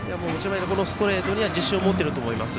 ストレートには自信を持っていると思います。